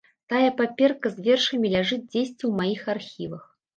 Тая паперка з вершамі ляжыць дзесьці ў маіх архівах.